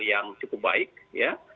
yang cukup baik ya